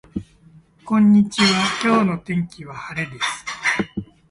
こんにちは今日の天気は晴れです